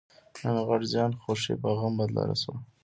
نن غټ زیان؛ خوښي په غم بدله شوه.